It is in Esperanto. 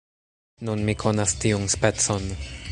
Nun mi konas tiun specon.